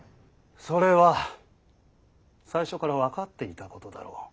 それは最初から分かっていたことだろう？